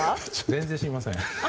全然知りません。